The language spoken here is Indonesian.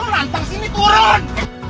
lu nantang sini turun